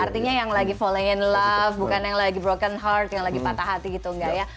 artinya yang lagi folling and love bukan yang lagi broken heart yang lagi patah hati gitu enggak ya